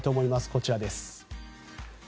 こちらです。